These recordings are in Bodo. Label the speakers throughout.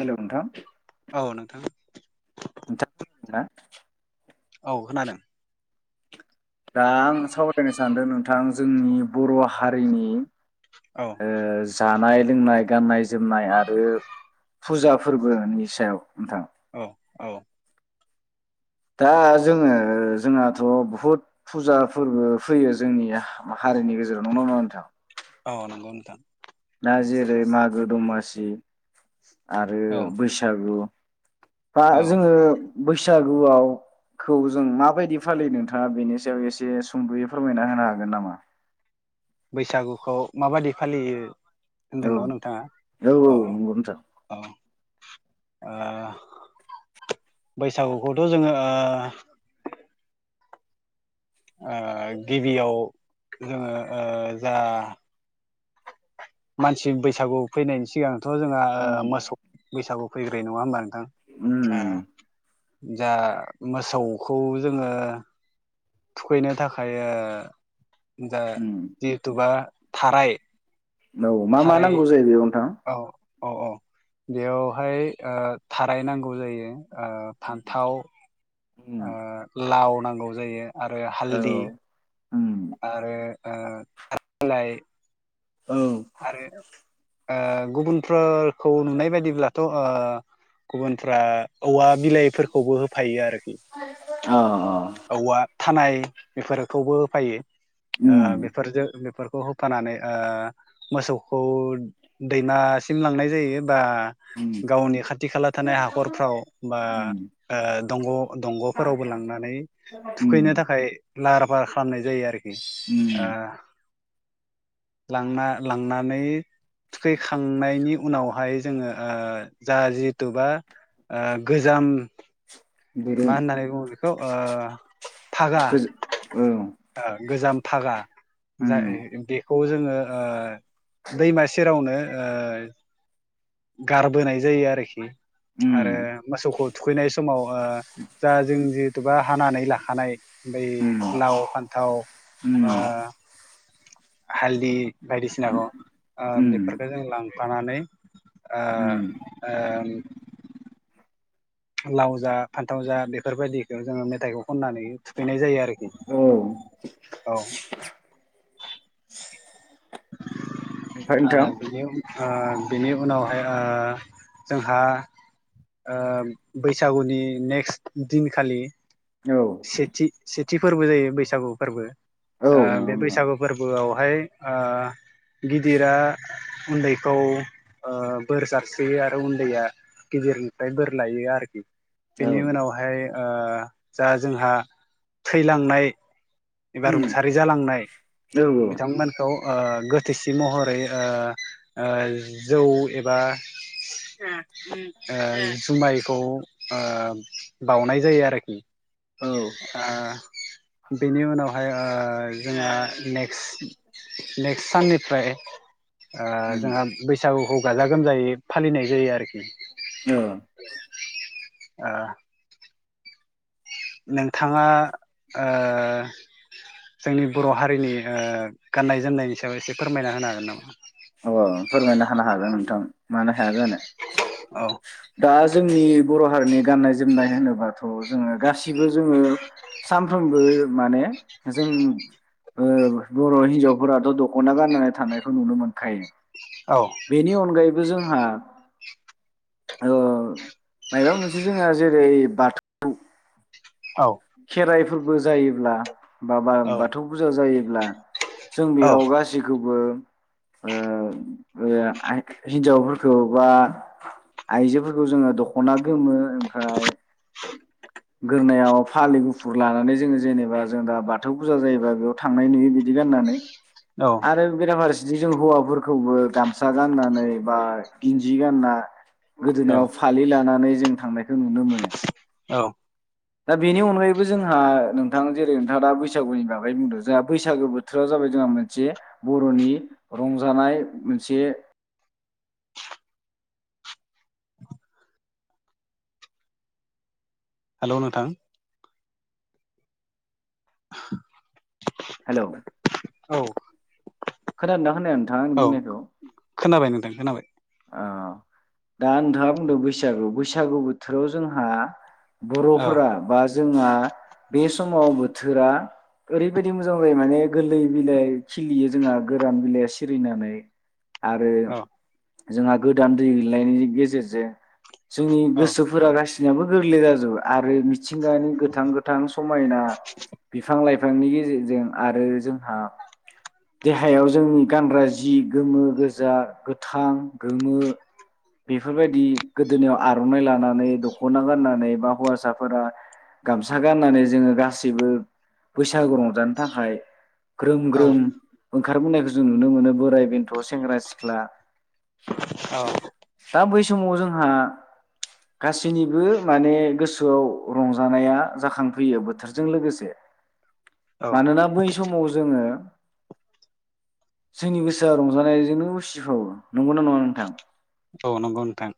Speaker 1: हेल' नोंथां?
Speaker 2: औ नोंथां।
Speaker 1: नोंथांआ खोनादोंना?
Speaker 2: औ खोनादों।
Speaker 1: दा आं सावरायनो सानदों नोंथां जोंनि बर' हारिनि
Speaker 2: औ
Speaker 1: ओ जानाय लोंनाय, गाननाय, जोमनाय आरो फुजा फोरबोनि सायाव। नोंथां।
Speaker 2: औ औ।
Speaker 1: दा जोङो जोंहाथ' बुहुद फुजा फोरबो फैयो जोंनि हा-हारिनि गेजेराव नंगौ ना नङा नोंथां?
Speaker 2: अह नंगौ नोंथां।
Speaker 1: दा जेरै मागो-दमासि आरो
Speaker 2: औ
Speaker 1: बैसागु। बा
Speaker 2: औ
Speaker 1: जोङो बै सागुखौ जों माबायदि फालियो नोंथाङा बेनि सायाव एसे सुंद'यै फोरमायना होनो हागोन नामा?
Speaker 2: बैसागुखौ माबादि फालियो
Speaker 1: औ
Speaker 2: होनदों न' नोंथाङा?
Speaker 1: औ
Speaker 2: अह
Speaker 1: नंगौ नोंथां।
Speaker 2: अह। आ बैसागुखौथ' जोङो ओ गिबियाव जोङो ओ जा मानसि बैसागु फैनायनि सिगां थ' जोंहा ओ
Speaker 1: उम
Speaker 2: मोसौ बैसागु फैग्रोयो नङा होमबा नोंथां?
Speaker 1: उम
Speaker 2: ओ जा मोसौखौ जोङो थुखैनो थाखाय ओ जा
Speaker 1: उम
Speaker 2: जिहेथुबा थाराय
Speaker 1: औ मा मा
Speaker 2: थाराय
Speaker 1: नांगौ जायो बेयाव नोंथां?
Speaker 2: औ अह अह। बेयावहाय ओ थाराय नांगौ जायो। ओ
Speaker 1: उम
Speaker 2: फान्थाव ओ लाव नां गौ जायो। आरो
Speaker 1: औ
Speaker 2: हालदि
Speaker 1: उम
Speaker 2: आरो ओ लाय
Speaker 1: औ
Speaker 2: आरो ओ गुबुनफोरखौ नुनाय बायदिब्लाथ' ओ गुबुनफ्रा औवा बिलाइफोरखौबो हो फायो आरो
Speaker 1: औ अ।
Speaker 2: थानाय बेफोरखौबो होफायो। ओ
Speaker 1: उम
Speaker 2: बेफोरजो बेफोर खौ होफानानै ओ मोसौखौ दैमासिम लांनाय जायो बा
Speaker 1: उम
Speaker 2: गावनि खाथि-खाला थानाय हाखरफ्राव बा
Speaker 1: उम
Speaker 2: ओ दंग' दंग'फोरावबो लांनानै थुखैनो
Speaker 1: उम
Speaker 2: थाखाय लाहार-फाहार खालामनाय जायो आरोखि ओ
Speaker 1: उम
Speaker 2: लांना लांनानै थुखैखांनायनि उनावहाय जोङो ओ जा जिहेथुुबा आ गोजाम
Speaker 1: दिरुं
Speaker 2: मा होन्नानै बुङो बे खौ ओ फागा
Speaker 1: गोजौ औ
Speaker 2: ओ गोजाम फागा जा
Speaker 1: उम
Speaker 2: ओ दे खौ जोङो ओ दैमा सेरावनो ओ गारबोनाय जायो आरोखि
Speaker 1: उम
Speaker 2: आरो मोसौखौ थुखैनाय समाव ओ दा जों जे एबा हानानै लाखानाय बै
Speaker 1: उम
Speaker 2: लाव, फान्थाव ओ
Speaker 1: उम
Speaker 2: हालदि बायदिसिनाखौ ओह
Speaker 1: उम
Speaker 2: बेफोरखो जों लां फानानै आह
Speaker 1: उम
Speaker 2: ओम लावजा फान्थावजा बेफोरबायदिखो जोङो मेथाइखौ खननानै थुखैनाय जायो
Speaker 1: औ
Speaker 2: [inaudible] औ
Speaker 1: ओमफ्राय
Speaker 2: [unintelligible]
Speaker 1: नोंथां
Speaker 2: ओह बिनि उनावहाय ओह जोंहा ओह बैसागुनि नेक्सट दिनखालि
Speaker 1: औ
Speaker 2: थि फोरबो जायो बैसागु फोरबो
Speaker 1: औ
Speaker 2: आह
Speaker 1: नंगौ
Speaker 2: बे
Speaker 1: नोंथां
Speaker 2: बैसागु फोरबोआव हाय आह गिदिरा उन्दैखौ ओह बोर जास्रियो आरो उन्दैया गिदिरनिफ्राय बोर लायो आरोखि
Speaker 1: औ
Speaker 2: बेनि उनावहाय ओह जा जोंहा थैलांनाय एबा
Speaker 1: उम
Speaker 2: रुंसारि जालांनाय
Speaker 1: औ
Speaker 2: बिथांमोनखौ ओह गोथैसि महरै ओह-ओह जौ एबा ओह जुमायखौ ओह बावनाय जायो आरोखि
Speaker 1: औ
Speaker 2: ओ बेनि उनावहाय ओह जोंहा नेक्सट-नेक्सट साननिफ्राय ओह
Speaker 1: उम
Speaker 2: जोंहा बैसागुखौ गाजा गोमजायै फालिनाय जायो आरोखि
Speaker 1: औ
Speaker 2: ओ नोंथाङा ओ जोंनि बर' हारिनि ओ गाननाय जोमनायनि सायाव एसे फोरमायना होनो हागोन नामा?
Speaker 1: औ आं फोरमायना होनो हागोन नोंथां मानो हाया जानो
Speaker 2: औ
Speaker 1: दा जोंनि बर' हारिनि गाननाय जोमनाय होनोबाथ' जोङो गासिबो जोङो सानफ्रोमबो माने जों ओ बर' हिनजावफोराथ' दख'ना गाननानै थानायखौ नुनो मोनो खायनो
Speaker 2: औ
Speaker 1: बेनिअनगायैबो जों आ ओ मायबा मोनसे जोङो जेरै बाथौ
Speaker 2: औ
Speaker 1: खेराइ फोरबो जायोब्ला माबा बाथौ फुजा जायोब्ला जों
Speaker 2: औ
Speaker 1: बेयाव गासैखौबो उम [unintelligible] आइ हिन्जावफोरखौबा आइजोफोरखौ जोङो दख'ना गोमो ओमफ्राय [unintelligible]
Speaker 2: [inaudible]
Speaker 1: फालि गुफुर लानानै जोङो जेनेबा जों दा बाथौ फुजा जायोबा बेयाव थांनाय नुयो बिदि गाननानै आरो बेरा फारसे बिदि जों हौवाफोरखौबो गामसा गाननानै बा गिन्जि गानना
Speaker 2: औ
Speaker 1: गोदोनायाव फालि लानानै जों थांनाय खौ नुनो मोनो
Speaker 2: औ
Speaker 1: दा बेनि अनगायैबो जोंहा नोंथां जेरै नोंथाङा दा बैसागुनि बागै बुंदों जोंहा बैसागो बोथोरा जाबाय जोंहा मोनसे बर'नि रंजानाय मोनसे
Speaker 2: हेलौ नोंथां [inaudible]
Speaker 1: हेलौ
Speaker 2: औ
Speaker 1: खोनादोना खोनाया नोंथाङा आंनि
Speaker 2: औ
Speaker 1: बुंनायखौ?
Speaker 2: खोनाबाय नोंथां खोनाबाय
Speaker 1: औ दा नोंथाङा बुंदों बैसागु बैसागु बोथोराव जोंहा
Speaker 2: औ
Speaker 1: बर'फोरा बा जोंहा बे समाव बोथोरा ओरैबायदि मोजां जायो माने गोरलै बिलाइ खिलियो जोंहा गोरान बिलाइया सिरिनानै आरो
Speaker 2: औ
Speaker 1: जोंहा गोदान दै गोलैनायनि गेजेरजों जोंनि गोसोफोरा गासि नाबो गोरलै जाजोबो आरो मिथिंगानि गोथां गोथां समायना बिफां लाइ फांनि गेजेरजों आरो जोंहा देहायाव जोंनि गानग्रा जि गोमो गोजा गोथां गोमो बेफोरबायदि गोदोनायाव आर'नाइ लानानै दख'ना गाननानै बा हौवासाफोरा गामसा गाननानै जोङो गासैबो बैसागु रंजानो थाखाय ग्रोम
Speaker 2: औ
Speaker 1: ग्रोम ओंखारबोनायखौ जों नुनो मोनो बोराय बेन्थ' सेंग्रा सिख्ला
Speaker 2: औ।
Speaker 1: दा बै समाव जोंहा गासैनिबो माने गोसोआव रंजानाया जाखांफैयो बोथोरजों लोगोसे।
Speaker 2: औ
Speaker 1: मानोना बै समाव जोङो जोंनि गोसोआ रंजानायजोंनो उसिफावो। नंगौना नङा नोंथां?
Speaker 2: औ नंगौ नोंथां।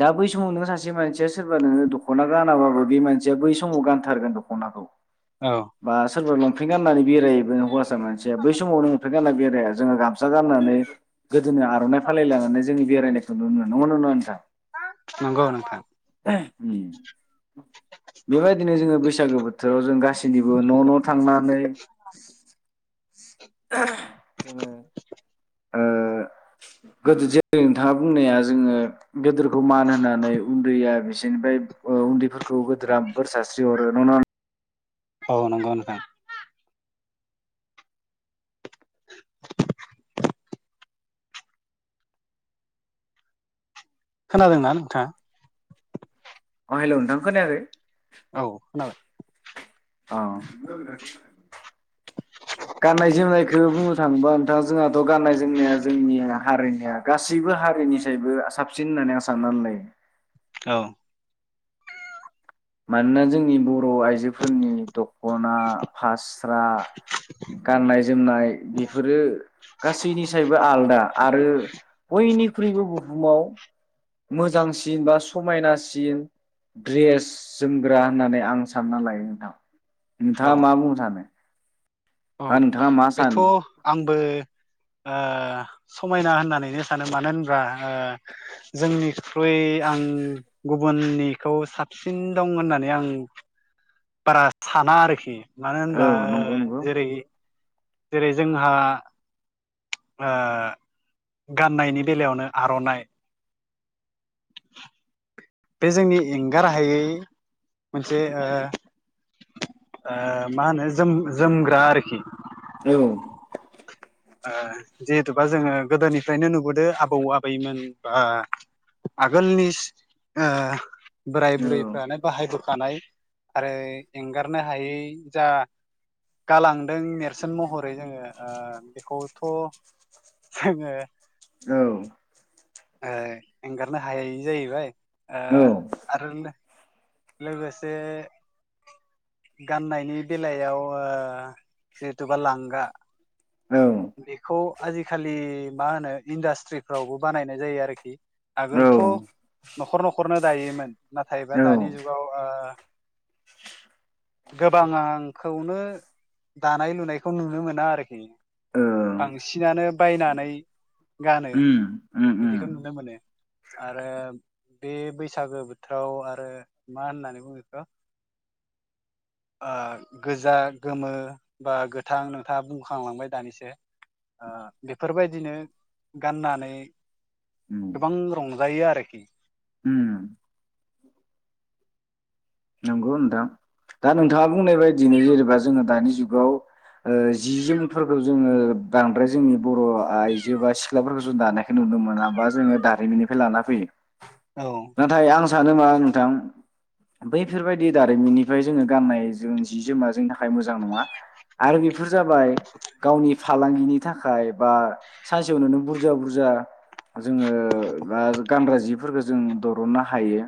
Speaker 1: दा बै समाव नोङो सासे मानसिया सोरबा नोङो दख'ना गानाबाबो बे मानसिया बै समाव गानथारगोन दख'नाखौ।
Speaker 2: औ
Speaker 1: बा सोरबा लंपेन्ट गाननानै बेराय हैबा मानसिया बै समावनो लंपेन्ट गानना बेराया जोङो गामसा गाननानै गोदोनायाव आर'नाइ फालि लानानै जोंनि बेरायनायखौ नुनो नंगौना नङा नोंथां?
Speaker 2: नंगौ नोंथां
Speaker 1: उम बेबायदिनो जोङो बैसागो बोथोराव जों गासैनिबो न' न' थांनानै जोङो ओ गोदो जेरै नोंथाङा बुंनाया जोङो गोदोरखौ मान होनानै उन्दैया बिसोरनिफ्राय उन्दैफोरखौ गोदोरा बोर सस्रि हरो नङो नङा
Speaker 2: औ नंगौ नोंथां खोनादोंना नोंथाङा?
Speaker 1: अ हेल' नोंथां खोनायाखै
Speaker 2: औ खोनाबाय
Speaker 1: अ गाननाय जोमनायखो बुंनो थाङोबा नोंथां जोंहाथ' गाननाय जोमनाया जोंनि हारिनिया गासैबो हारिनिसबो साबसिन होननानै आं साननानै लायो।
Speaker 2: औ
Speaker 1: मानोना जोंनि बर' बर' आइजोफोरनि दख'ना फास्रा गाननाय जोमनाय बेफोरो गासैनिसायबो आलादा आरो बयनिखुइ ख्रुइबो बुहुमाव मोजांसिन बा समायनासिन द्रेस जोमग्रा होननानै आं सानना लायो नोंथां। नोंथाङा मा बुंनो सानो?
Speaker 2: अ
Speaker 1: बा नोंथाङा मा
Speaker 2: बेथ'
Speaker 1: सानो
Speaker 2: आंबो ओ समायना होननानैनो सानो मानो होनब्ला ओ जोंनि ख्रुइ आं गुबुननिखौ साबसिन दं होननानै आं बारा साना आरोखि। मानो
Speaker 1: औ
Speaker 2: होनब्ला
Speaker 1: नंगौ
Speaker 2: ओ
Speaker 1: नंगौ
Speaker 2: जेरै जेरै जोंहा ओ गाननायनि बेलायावनो आर'नाइ बे जोंनि एंगाराहायै मोनसे ओ ओ मा होनो जोमग्रा आरोखि।
Speaker 1: औ।
Speaker 2: ओ जिहेथुबा जोङो गोदोनिफ्रायनो नुबोदों आबौ आबैमोन बा आगोलनि बोराय बुरैफ्रानो बाहाय बो खानाय आरो एंगारनो हायै जा गालांदों नेरसोन महरै जोङो ओ बेखौथ' जोङो
Speaker 1: औ।
Speaker 2: ओ एंगारनो हायै जाहैबाय। ओ
Speaker 1: औ
Speaker 2: आरो लो लोगोसे गाननायनि बेलायाव ओ जिहेथुुबा लांगा
Speaker 1: औ
Speaker 2: बेखौ आजिखालि मा होनो इन्डासट्रिफ्रावबो बानायनाय जायो आरोखि। आगोलथ'
Speaker 1: औ
Speaker 2: न'खर न'खरनो। दायोमोन। नाथायबा
Speaker 1: औ
Speaker 2: दानि
Speaker 1: ओ
Speaker 2: जुगाव ओ। गोबां आं खौनो दानाय लुनायखौ नुनो मोना आरोखि। बांसिनानो बायनानै गानो
Speaker 1: उम उम
Speaker 2: बिदिखौ नुनो मोनो‌। आरो बे बैसागो बोथोराव आरो मा होननानै बुङो बेखौ ओ गोजा गोमो बा गोथां नोंथाङा बुंखांलांबाय। दानिसो ओ बेफोरबायदिनो गाननानै। गोबां रं जायो आरोखि
Speaker 1: उम। नंगौ नोंथां दा नोंथाङा बुंनाय बायदिनो जेनेबा जोङो दानि जुगाव ओ जि जोमफोरखौ जोङो बांद्राय जोंनि बर' आइजो बा सिख्लाफोरखौ जों दानायखो नुनो मोना बा जोङो। दारिमिननिफ्राय लाना फैयो।
Speaker 2: औ
Speaker 1: नाथाय आं। सानो मा नोंथां। बैफोरबायदि दारिमिननिफ्राय जोङो गाननाय जों जि जोमा जोंनि थाखाय मोजां नङा आरो। फोर जाबाय गावनि। फालांगिनि थाखाय बा सानसेयावनो बुरजा बुरजा जोङो बा गानग्रा जिफोरखौ जों दरननो हायो।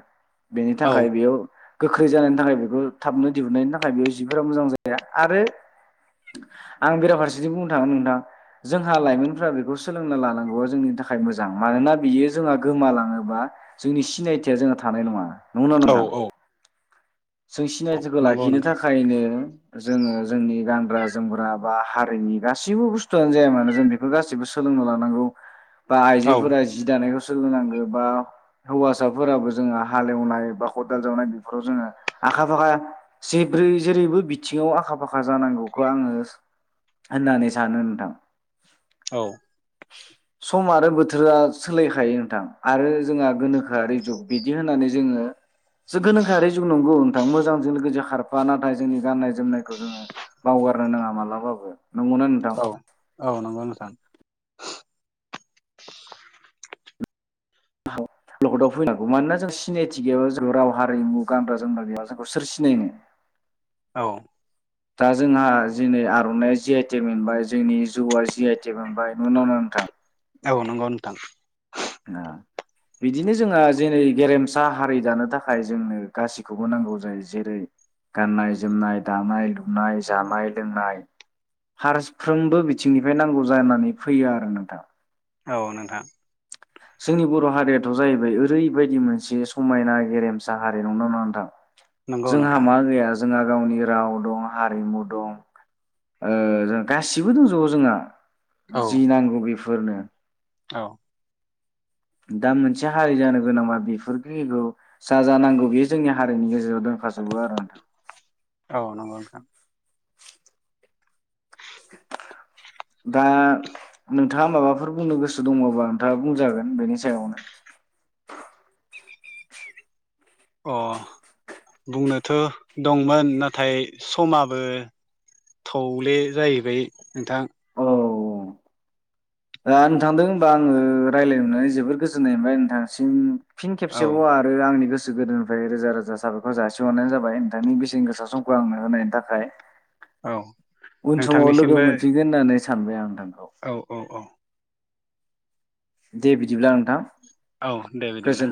Speaker 1: बेनि
Speaker 2: औ
Speaker 1: थाखाय बेयाव। गोख्रै जानायनि थाखाय बेखौ थाबनो दिहुननायनि थाखाय बेयाव जिफोरा मोजां जाया आरो आं बेराफारसेथिं बुंनो थागोन नोंथां जोंहा लाइमोनफोरा बेखौ सोलोंना लानांगौआ जोंनि थाखाय मोजां मानोना बियो जोंहा गोमालाङोबा जोंनि सिनायथिया जोंहा थानाय नङा। नंगना
Speaker 2: औ
Speaker 1: नङा।
Speaker 2: औ
Speaker 1: जों सिनायथिखौ
Speaker 2: नंगौ
Speaker 1: लाखिनो
Speaker 2: नोंथां
Speaker 1: थाखायनो। जोङो जोंनि गानग्रा जोमग्रा बा हारिनि गासैबो बुस्थुआनो जाया मानो जों बेफोर गासिबो सोलोंना लानांगौ। बा
Speaker 2: औ
Speaker 1: आइजोफोरा जि दानायखौ। सोलोंनांगौ बा हौवासाफोराबो जोङो हालेवनाय बा खदाल जावनाय बेफोराव जोङो आखा फाखा जिब्रै जेरैबो बिथिङाव आखा फाखा जानांगौखौ आङो होननानै सानो नोंथां
Speaker 2: औ
Speaker 1: सम आरो बोथोरा सोलायखायो नोंथां आरो जोंहा गोनोखोआरि जुग बिदि होननानै जोङो जो गोनोखोआरि जुग नं गौ नोंथां मोजांजों लोगोसे खारफा नाथाय जोंनि गाननाय जोमनायखौ जोङो बावगारनो नाङा मालाबाबो नंगौना नोंथां
Speaker 2: औ औ नंगौ नोंथां [inaudible]
Speaker 1: [unintelligible] फैनांगौ मानोना जों सिनायथि गैयाबा जों राव हारिमु गानग्रा जोमग्रा गैयाबा जोंखौ सोर सिनायनो
Speaker 2: औ
Speaker 1: दा जोंहा जे नै आर'नाइया जि आइ टेग मोनबाय जोंनि जौआ जि आइ टेग मोनबाय नंगौना नङा नोंथां
Speaker 2: औ नंगौ नोंथां
Speaker 1: बिदिनो जोंहा जेरै गेरेमसा हारि दानो थाखाय जोंनो गासैखौबो नांगौ जायो जेरै गाननाय जोमनाय दानाय लुनाय जानाय लोंनाय फारफ्रोमबो बिथिंनिफ्राय नांगौ जानानै फैयो आरो नोंथां
Speaker 2: औ नोंथां
Speaker 1: जोंनि बर' हारियाथ' जाहैबाय ओरैबायदि मोनसे समायना गेरेमसा हारि नंगौना नङा नोंथां
Speaker 2: नंगौ
Speaker 1: जोंहा
Speaker 2: नोंथां
Speaker 1: मा गैया जोंहा गावनि राव दं हारिमु दं ओ जों गासिबो दंजोबो जोंहा
Speaker 2: औ
Speaker 1: जि नांगौ बे बेफोरनो
Speaker 2: औ
Speaker 1: दा मोनसे हारि जानो गोनांबा बेफोरखिखौ जा जा नांगौ बेयो जोंनि हारिनि गेजेराव दोनखाजोबो आरो नोंथां
Speaker 2: औ नंगौ नोंथां
Speaker 1: दा नों नोंथाङा माबाफोर बुंनो गोसो दंअबा नोंथाङा बुंजागोन बेनि सायावनो
Speaker 2: अ बुंनोथ' दंमोन नाथाय समाबो थौले जाहैबाय नोंथां
Speaker 1: औ दा नोंथांदों होनबा आङो रायजलायनो मोननानै जोबोद गोजोननाय मोनबाय नोंथांसिम फिन
Speaker 2: औ
Speaker 1: खेबसेबाव आरो आंनि गोस गोसो गोरबोनिफ्राय रोजा रोजा साबायखर जासिहरनायानो जाबाय ओम बेसेन गोसा समखौ आंनो होनायनि थाखाय हाय
Speaker 2: औ
Speaker 1: उन समाव लोगो
Speaker 2: नोंथांनिसिमबो
Speaker 1: मोनफिनगोन होननानै सानबाय आं नोंथां
Speaker 2: औ औ औ
Speaker 1: दे बिदिब्ला नोंथां
Speaker 2: औ दे
Speaker 1: गोजोन
Speaker 2: बिदिब्ला